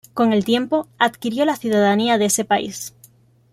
Con el tiempo, adquirió la ciudadanía de ese país.